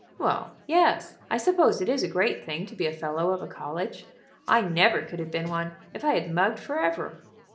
"Well, yes; I suppose it is a great thing to be a fellow of a college. I never could have been one if I had mugged forever."